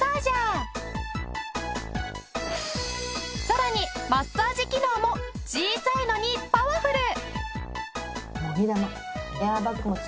さらにマッサージ機能も小さいのにパワフル！